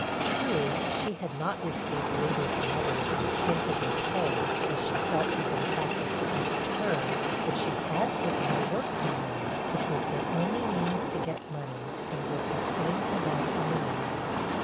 True, she had not received labor from others, and stinted their pay, as she felt had been practised against her; but she had taken their work from them, which was their only means to get money, and was the same to them in the end.